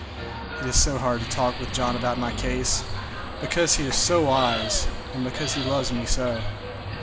It is so hard to talk with John about my case, because he is so wise, and because he loves me so.